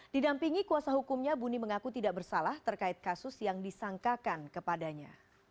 didampingi kuasa hukumnya buni mengaku tidak bersalah terkait kasus yang disangkakan kepadanya